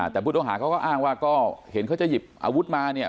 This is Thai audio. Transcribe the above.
แต่ผู้ต้องหาเขาก็อ้างว่าก็เห็นเขาจะหยิบอาวุธมาเนี่ย